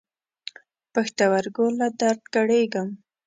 پښتورګو له درد کړېږم.